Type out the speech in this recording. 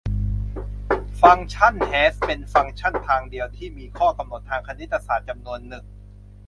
ฟังก์ชันแฮชเป็นฟังก์ชันทางเดียวที่มีข้อกำหนดทางคณิตศาสตร์จำนวนหนึ่ง